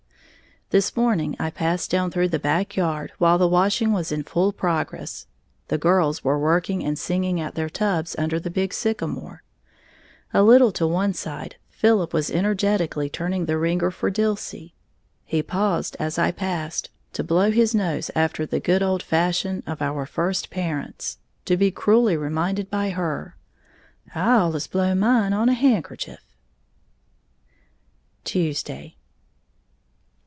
This morning I passed down through the back yard while the washing was in full progress. The girls were working and singing at their tubs under the big sycamore. A little to one side, Philip was energetically turning the wringer for Dilsey. He paused, as I passed, to blow his nose after the good old fashion of our first parents, to be cruelly reminded by her, "I allus blow mine on a handkerchief!" _Tuesday.